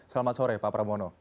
selamat sore pak pramono